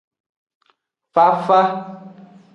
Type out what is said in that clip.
Fafa.